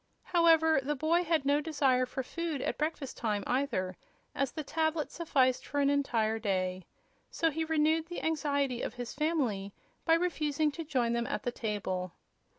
However, the boy had no desire for food at breakfast time, either, as the tablet sufficed for an entire day. So he renewed the anxiety of the family by refusing to join them at the table.